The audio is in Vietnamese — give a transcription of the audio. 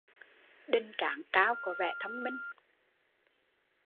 Đình trán cao có vẻ thông minh